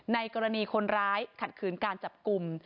ในกรณีคนร้ายขัดขืนการจับกลุ่ม